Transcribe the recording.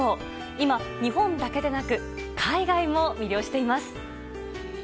今、日本だけでなく海外も魅了しています。